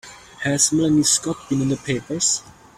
Has Melanie Scott been in the papers?